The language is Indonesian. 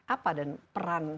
apa dan peran